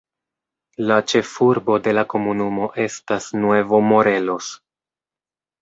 La ĉefurbo de la komunumo estas Nuevo Morelos.